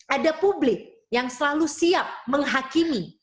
ada publik yang selalu siap menghakimi